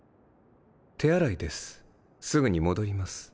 手洗いですすぐに戻ります。